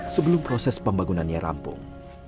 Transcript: sebelum proses pembangunannya rampung